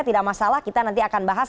tidak masalah kita nanti akan bahas